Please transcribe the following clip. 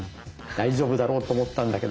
大丈夫だろうと思ったんだけど。